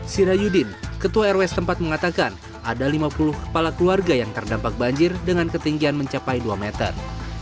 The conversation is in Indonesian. sirayudin ketua rw empat mengatakan ada lima puluh kepala keluarga yang terdampak banjir dengan ketinggian mencapai dua meter